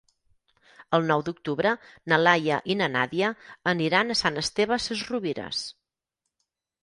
El nou d'octubre na Laia i na Nàdia aniran a Sant Esteve Sesrovires.